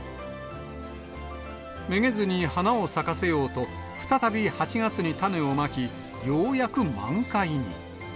めげずに花を咲かせようと、再び８月に種をまき、ようやく満開に。